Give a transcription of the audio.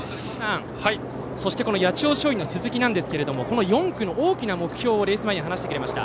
そして八千代松陰の鈴木ですが４区の大きな目標をレース前に話してくれました。